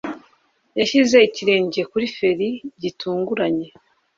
Yashyize ikirenge kuri feri gitunguranye.